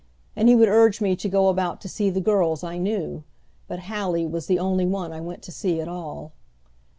And he would urge me to go about to see the girls I knew; but Hallie was the only one I went to see at all.